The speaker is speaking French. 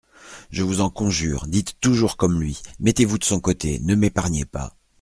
Je vous en conjure, dites toujours comme lui, mettez-vous de son côté, ne m'épargnez pas.